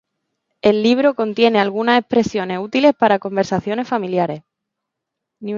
El libro contiene algunas expresiones útiles para conversaciones familiares.